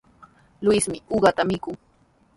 Luismi uqata mikun.